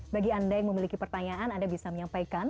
bagi anda yang memiliki pertanyaan anda bisa menyampaikan